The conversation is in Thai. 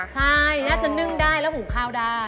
ใช่น่าจะนึ่งได้แล้วหุงข้าวได้